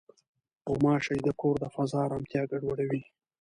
غوماشې د کور د فضا ارامتیا ګډوډوي.